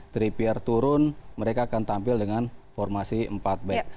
tripper turun mereka akan tampil dengan formasi empat back